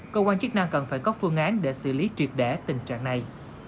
cơ quan chức năng cần phải có phương án để xử lý triệt đẻ tình trạng này